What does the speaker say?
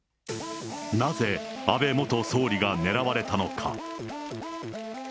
なぜ安倍元総理が狙われたのか。